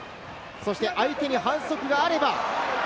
相手に反則があれば。